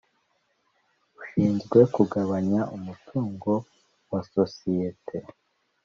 Ushinzwe kugabanya umutungo wa sosiyete